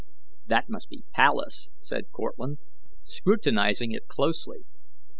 "That must be Pallas," said Cortlandt, scrutinizing it closely.